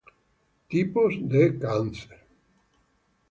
Tipos de cáncer